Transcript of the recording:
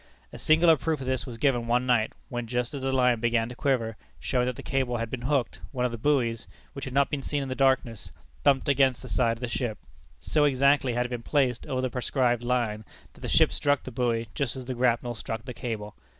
A singular proof of this was given one night, when, just as the line began to quiver, showing that the cable had been hooked, one of the buoys which had not been seen in the darkness thumped against the side of the ship. So exactly had it been placed over the prescribed line, that the ship struck the buoy just as the grapnel struck the cable!